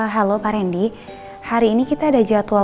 halo pak randy hari ini kita ada jadwal